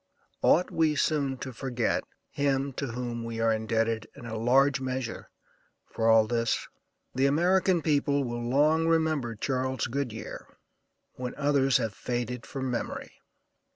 Ought we soon to forget him to whom we are indebted, in a large measure, for all this? The American people will long remember Charles Goodyear when others have faded from memory.